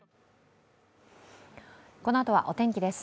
このあとはお天気です。